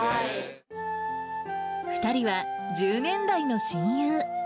２人は１０年来の親友。